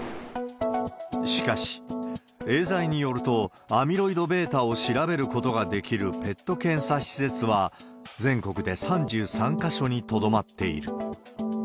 しかし、エーザイによると、アミロイドβを調べることができるＰＥＴ検査施設は、全国で３３か所にとどまっている。